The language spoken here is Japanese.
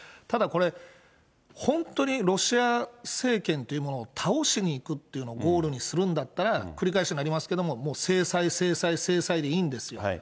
ただこれ、本当にロシア政権というものを倒しにいくっていうのをゴールにするんだったら、繰り返しになりますけれども、もう制裁、制裁、制裁でいいんですよ。